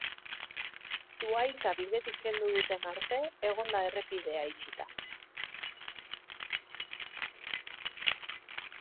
Zuhaitza bidetik kendu duten arte egon da errepidea itxita.